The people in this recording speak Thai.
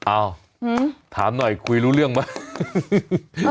อ้าวถามหน่อยคุยรู้เรื่องไหม